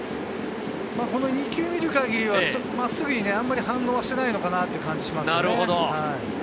この２球を見る限りでは真っすぐにあまり反応していないのかなという感じはしますね。